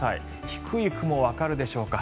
低い雲、わかるでしょうか。